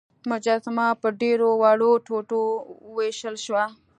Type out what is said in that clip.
مجسمه په ډیرو وړو ټوټو ویشل شوه.